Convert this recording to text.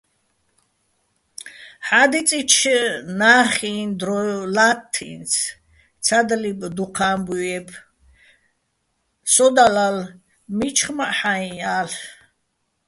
ჰ̦ა́დიწიჩო̆ ნა́ხიჼ დრო ლათთ ი́ნც: ცადლიბ, დუჴ ა́მბუჲ ჲებ, სოდა ლალ, მიჩხმაჸ ჰ̦აიჼ ალ'.